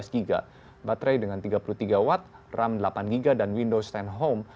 lima ratus dua belas gb baterai dengan tiga puluh tiga w ram delapan gb dan windows sepuluh home